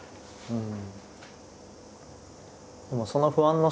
うん。